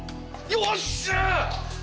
よっしゃ！